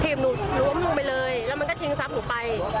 หนูหนูล้มลงไปเลยแล้วมันก็ชิงทรัพย์หนูไป